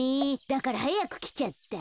だからはやくきちゃった。